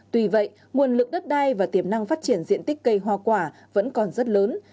tuy vậy nguồn lực đất đai và tiềm năng phát triển diện tích cây hoa quả vẫn còn rất lớn